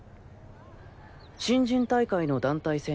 新人大会の団体戦